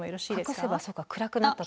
隠せばそうか暗くなったと。